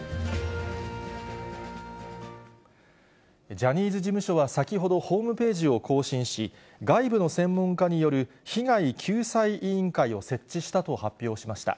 ジャニーズ事務所は先ほどホームページを更新し、外部の専門家による被害救済委員会を設置したと発表しました。